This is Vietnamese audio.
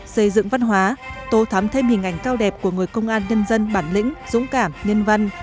xây dựng văn hóa tô thắm thêm hình ảnh cao đẹp của người công an nhân dân bản lĩnh dũng cảm nhân văn